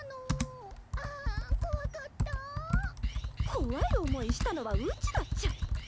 怖い思いしたのはうちだっちゃ